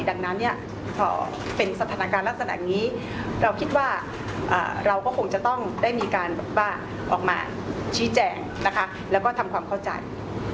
ดังนั้นเนี่ยพอเป็นสถานการณ์ลักษณะนี้เราคิดว่าเราก็คงจะต้องได้มีการแบบว่าออกมาชี้แจงนะคะแล้วก็ทำความเข้าใจ